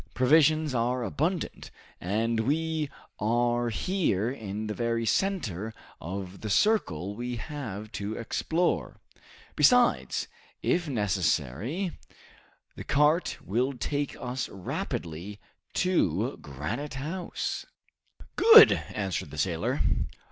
"Provisions are abundant, and we are here in the very center of the circle we have to explore. Besides, if necessary, the cart will take us rapidly to Granite House." "Good!" answered the sailor.